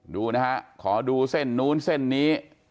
ดูนะฮะขอดูเส้นนู้นเส้นนี้